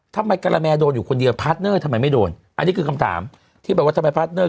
กะละแมโดนอยู่คนเดียวพาร์ทเนอร์ทำไมไม่โดนอันนี้คือคำถามที่แบบว่าทำไมพาร์ทเนอร์